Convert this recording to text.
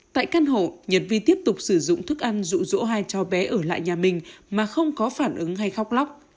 tại căn hộ nhật vi tiếp tục sử dụng thức ăn rụ rỗ hai cháu bé ở lại nhà mình mà không có phản ứng hay khóc lóc